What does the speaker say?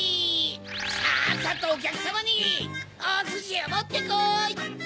さっさとおきゃくさまにおすしをもってこい！